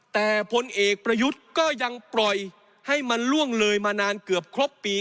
แต่พลเอกประยุทธ์ก็ยังปล่อยให้มันล่วงเลยมานานเกือบครบปี